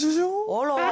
あら！